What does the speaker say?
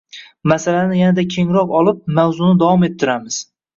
Masalani yanada kengroq olib, mavzuni davom ettiramiz.